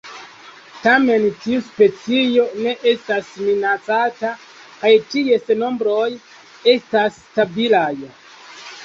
Tamen tiu specio ne estas minacata, kaj ties nombroj estas stabilaj.